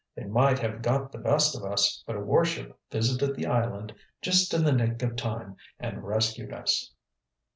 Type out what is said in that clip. They might have got the best of us, but a warship visited the island just in the nick of time and rescued us."